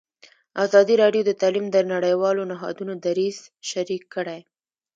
ازادي راډیو د تعلیم د نړیوالو نهادونو دریځ شریک کړی.